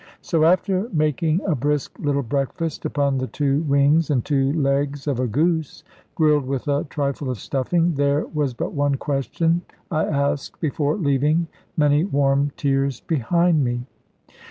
So after making a brisk little breakfast, upon the two wings and two legs of a goose, grilled with a trifle of stuffing, there was but one question I asked before leaving many warm tears behind me.